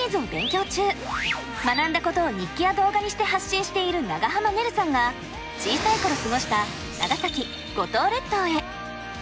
学んだことを日記や動画にして発信している長濱ねるさんが小さい頃過ごした長崎・五島列島へ。